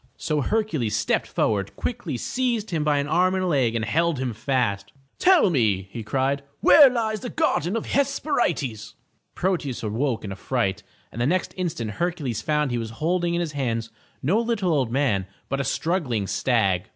So Hercules stepped forward, quickly 431. M Y BOOK HOUSE seized him by ,a;n arm and a leg, and held him fast. "Tell me/' he cried, "where lies the Gar den of the Hesperides." Proteus awoke in a fright, and the next instant Hercules found he was holding in his hands no little old man, but a struggling stag.